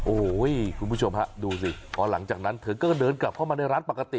โอ้โหคุณผู้ชมฮะดูสิพอหลังจากนั้นเธอก็เดินกลับเข้ามาในร้านปกติ